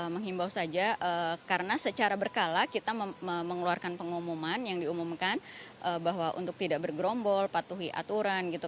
menghimbau saja karena secara berkala kita mengeluarkan pengumuman yang diumumkan bahwa untuk tidak bergerombol patuhi aturan gitu